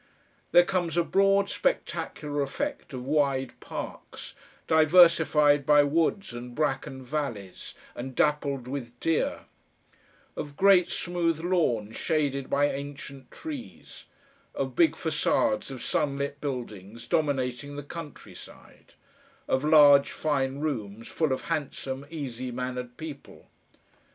There comes a broad spectacular effect of wide parks, diversified by woods and bracken valleys, and dappled with deer; of great smooth lawns shaded by ancient trees; of big facades of sunlit buildings dominating the country side; of large fine rooms full of handsome, easy mannered people.